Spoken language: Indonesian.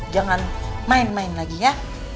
jangan main main lagi ya